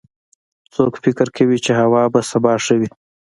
څوک فکر کوي چې هوا به سبا ښه وي